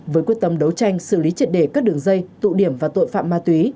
với quyết tâm đấu tranh xử lý triệt đề các đường dây tụ điểm và tội phạm ma túy